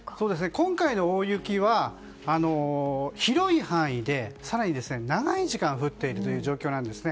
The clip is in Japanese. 今回の大雪は広い範囲で更に長い時間降っている状況なんですね。